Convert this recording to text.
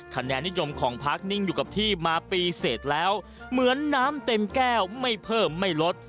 คะแนนนิยมของพักนิ่งอยู่กับที่มาปีเสร็จแล้วเหมือนน้ำเต็มแก้วไม่เพิ่มไม่ลด